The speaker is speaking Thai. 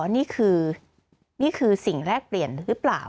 นี่คือนี่คือสิ่งแรกเปลี่ยนหรือเปล่า